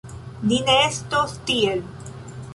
Ni ne estos tiel!